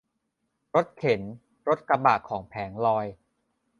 รถเข็น รถกระบะของแผงลอย